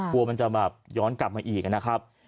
กลัวมันจะแบบย้อนกลับมาอีกนะครับ